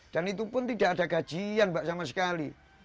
itu pun tidak ada gajian mbak sama sekali